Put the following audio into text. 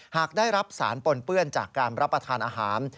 หากได้รับสารปนเปื้อนจากการรับประทานอาหาร